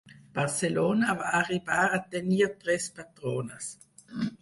Barcelona va arribar a tenir tres patrones.